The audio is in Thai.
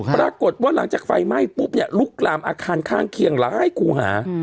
ปรากฏว่าหลังจากไฟไหม้ปุ๊บเนี่ยลุกลามอาคารข้างเคียงหลายคู่หา